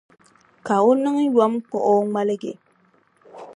Ka o niŋ yom n-kpuɣi o ŋmaligi.